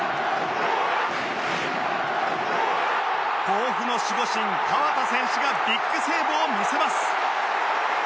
甲府の守護神河田選手がビッグセーブを見せます